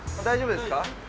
大丈夫ですか？